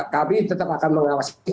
kami tetap akan mengawasi